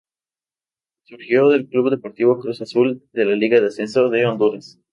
Surgió del Club Deportivo Cruz Azul de la Liga de Ascenso de Honduras.